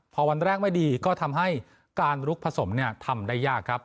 พอวันแรกไม่ดีก็ทำให้การลุกผสมทำได้ยากครับ